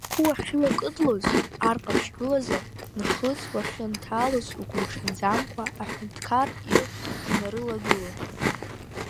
Ахәы уахьыҩкыдлоз Ар Ҟаԥшь гылазар, нхыҵ уахьынҭалоз, угәуҽанӡамкәа аҳәынҭқар ир унарылагылон.